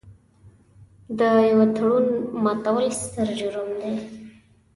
د یوه تړون ماتول ستر جرم دی.